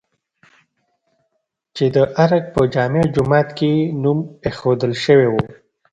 چې د ارګ په جامع جومات یې نوم ايښودل شوی و؟